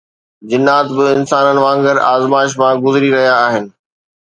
جنات به انسانن وانگر آزمائشن مان گذري رهيا آهن